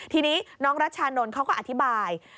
ทีนี้น้องรัชชานนท์เขาก็อธิบาย